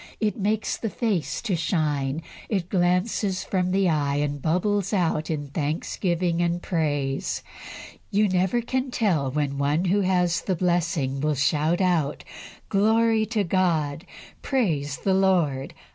It makes the face to shine; it glances from the eye, and bubbles out in thanksgiving and praise. You never can tell when one who has the blessing will shout out, "Glory to God! Praise the Lord!